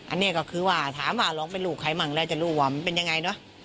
อันนี้ก็คือว่าถามว่าร้องเป็นลูกใครมั่งแล้วจะรู้ว่ามันเป็นยังไงเนอะ